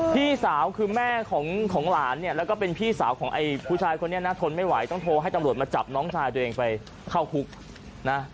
พี่สาวคือแม่ของหลานเนี่ยแล้วก็เป็นพี่สาวของไอ้ผู้ชายคนนี้นะทนไม่ไหวต้องโทรให้ตำรวจมาจับน้องชายตัวเองไปเข้าคุกนะ